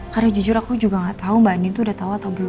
karena jujur aku juga gak tau mbak andin tuh udah tau atau belum